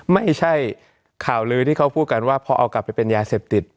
ไม่ใช่ข่าวลือที่เขาพูดกันว่าพอเอากลับไปเป็นยาเสพติด